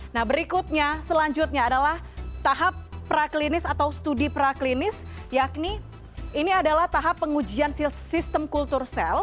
nah berikutnya selanjutnya adalah tahap praklinis atau studi praklinis yakni ini adalah tahap pengujian sistem kultur sel